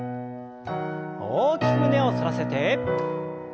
大きく胸を反らせて。